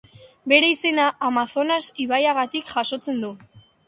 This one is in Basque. Bere izena Amazonas ibaiagatik jasotzen du.